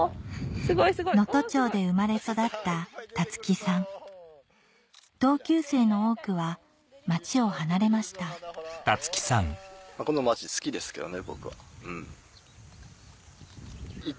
能登町で生まれ育った樹さん同級生の多くは町を離れましたそうですね。